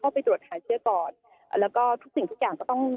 ไปตรวจหาเชื้อก่อนแล้วก็ทุกสิ่งทุกอย่างก็ต้อง